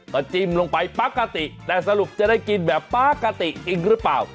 ก็จิ้มลงไปปกติแต่สรุปจะได้กินแบบปกติอีกหรือเปล่า